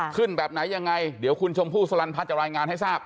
แบบไหนยังไงเดี๋ยวคุณชมพู่สลันพัฒน์จะรายงานให้ทราบ